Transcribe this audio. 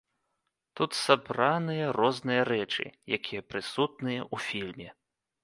Тут сабраныя розныя рэчы, якія прысутныя ў фільме.